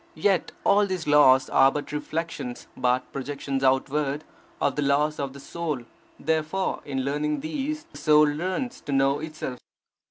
Yet all these laws are but reflections, but projections outward, of the laws of the soul; therefore in learning these, the soul learns to know itself.